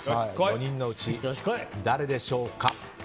４人のうち、誰でしょうか。